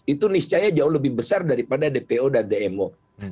itu niscaya jauh lebih besar daripada dpo dan dmo